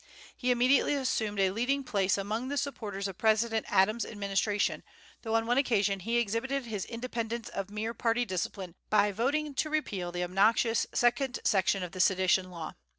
He immediately assumed a leading place among the supporters of President Adams's administration, though on one occasion he exhibited his independence of mere party discipline by voting to repeal the obnoxious second section of the Sedition Law.